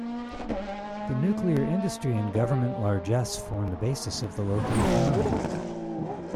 The nuclear industry and government largess form the basis of the local economy.